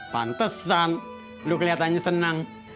pantesan lu kelihatannya senang